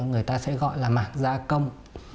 người ta sẽ gọi là mảng gia công